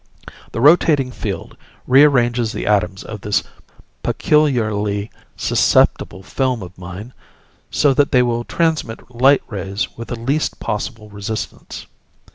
The rotating field rearranges the atoms of this peculiarly susceptible film of mine so that they will transmit light rays with the least possible resistance.